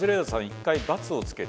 一回×をつけて。